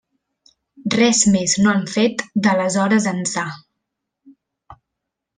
Res més no han fet d'aleshores ençà.